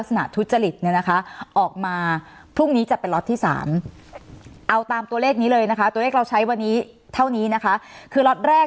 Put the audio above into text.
สนับสนุนโดยพี่โพเพี่ยวสะอาดใสไร้คราบ